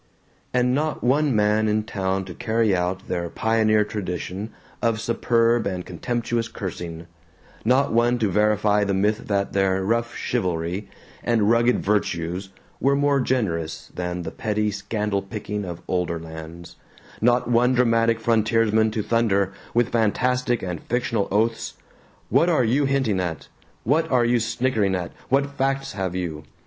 And not one man in town to carry out their pioneer tradition of superb and contemptuous cursing, not one to verify the myth that their "rough chivalry" and "rugged virtues" were more generous than the petty scandal picking of older lands, not one dramatic frontiersman to thunder, with fantastic and fictional oaths, "What are you hinting at? What are you snickering at? What facts have you?